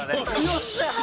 よっしゃー！